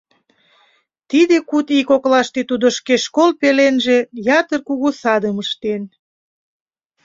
Тиде куд ий коклаште тудо шке школ пеленже ятыр кугу садым ыштен.